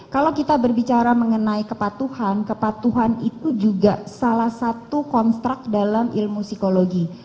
kalau kita berbicara mengenai kepatuhan kepatuhan itu juga salah satu konstrak dalam ilmu psikologi